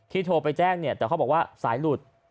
ที่โทรไปแจ้งแต่เขาบอกว่าสายหลุด